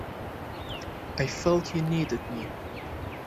I felt you needed me.